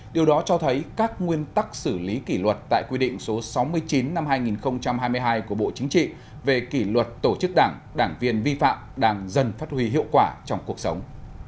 điều đó cho thấy các nguyên tắc xử lý kỷ luật tại quy định số sáu mươi chín năm hai nghìn hai mươi hai của bộ chính trị về kỷ luật tổ chức đảng đảng viên vi phạm đang dần phát huy hiệu quả trong cuộc sống